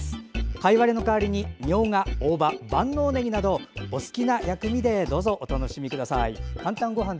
かいわれの代わりにみょうが、大葉、万能ねぎなどお好きな薬味でお楽しみください。